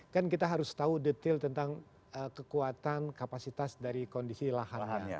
kan kita harus tahu detail tentang kekuatan kapasitas dari kondisi lahannya